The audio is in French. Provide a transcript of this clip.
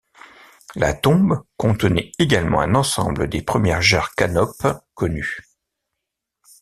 La tombe contenait également un ensemble des premières jarres canopes connues.